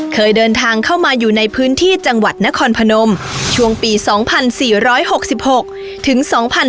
เคยเดินทางเข้ามาอยู่ในพื้นที่จังหวัดนครพนมช่วงปี๒๔๖๖ถึง๒๕๕๙